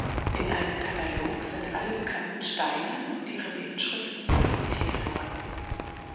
In einem Katalog sind alle bekannten Steine und deren Inschriften publiziert worden.